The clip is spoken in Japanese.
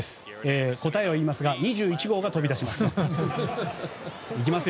答えを言いますが２１号が飛び出します。